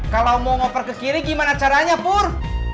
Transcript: kalau mau ngoper ke kiri gimana caranya pur